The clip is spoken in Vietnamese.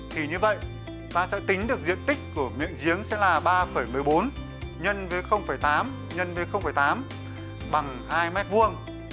thì như vậy ta sẽ tính được diện tích của nghệ giếng sẽ là ba một mươi bốn x với tám x tám bằng hai mét vuông